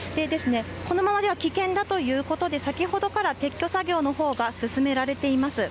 このままでは危険だということで、先ほどから撤去作業のほうが進められています。